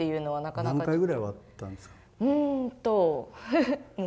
何回ぐらい割ったんですか？